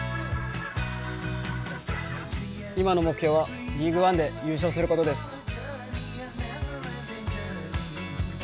今の目標はリーグワンで優勝することです。